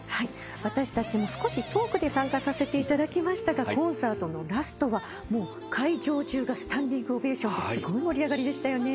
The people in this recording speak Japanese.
私たちも少しトークで参加させていただきましたがコンサートのラストは会場中がスタンディングオベーションですごい盛り上がりでしたよね。